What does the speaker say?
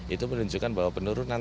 itu menunjukkan bahwa penurunan